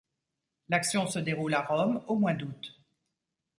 L'action se déroule à Rome, au mois d'août.